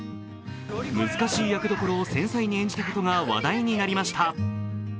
難しい役どころを繊細に演じたことが話題になりました。